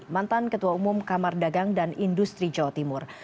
mantan ketua umum kamar dagang dan industri jawa timur